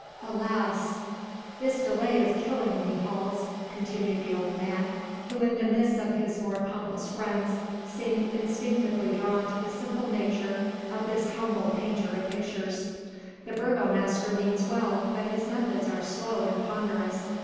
"Alas!" "This delay is killing me, Hals," continued the old man, who in the midst of his more pompous friends seemed instinctively drawn to the simple nature of this humble painter of pictures. "The burgomaster means well but his methods are slow and ponderous.